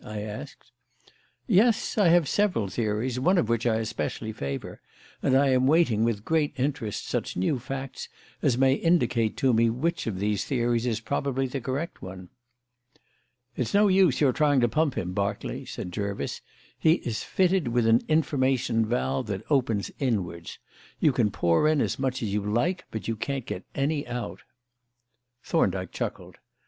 I asked. "Yes; I have several theories, one of which I especially favour, and I am waiting with great interest such new facts as may indicate to me which of these theories is probably the correct one." "It's no use your trying to pump him, Berkeley," said Jervis. "He is fitted with an information valve that opens inwards. You can pour in as much as you like, but you can't get any out." Thorndyke chuckled.